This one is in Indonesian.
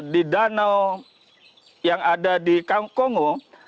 di danau yang ada di kongo